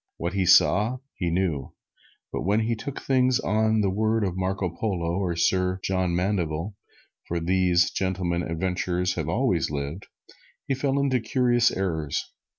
What he saw, he knew, but when he took things on the word of Marco Polo and Sir John Mandeville (for these gentlemen adventurers have always lived), he fell into curious errors.